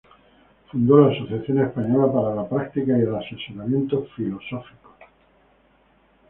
Fundó la Asociación Española para la Práctica y el Asesoramiento Filosóficos.